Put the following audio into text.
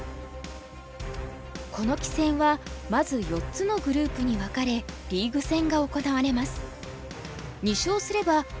この棋戦はまず４つのグループに分かれリーグ戦が行われます。